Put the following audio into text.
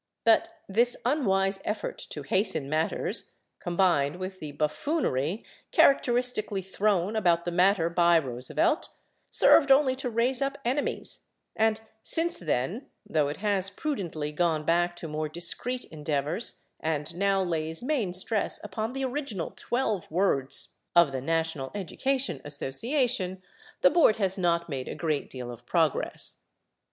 But this unwise effort to hasten matters, combined with the buffoonery characteristically thrown about the matter by Roosevelt, served only to raise up enemies, and since then, though it has prudently gone back to more discreet endeavors and now lays main stress upon the original 12 words of the National Education Association, the Board has not made a great deal of progress.